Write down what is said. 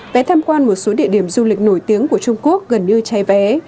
vẽ tham quan một số địa điểm du lịch nổi tiếng của trung quốc gần như chai vé